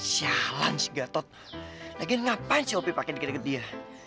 sialan si gatot lagian ngapain si hopi pake deket deket dia